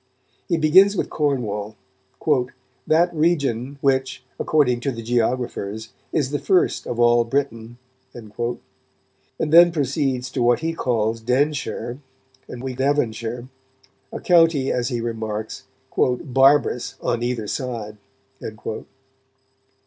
He begins with Cornwall, "that region which, according to the geographers, is the first of all Britain," and then proceeds to what he calls "Denshire" and we Devonshire, a county, as he remarks, "barbarous on either side."